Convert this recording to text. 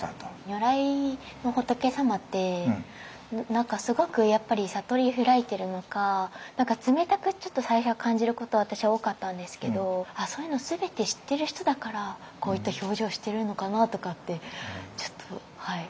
如来の仏様って何かすごくやっぱり悟りを開いてるのか何か冷たくちょっと最初は感じること私は多かったんですけどそういうのを全て知ってる人だからこういった表情してるのかなとかってちょっとはい。